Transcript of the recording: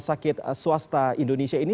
sakit swasta indonesia ini